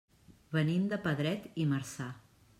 Venim de Pedret i Marzà.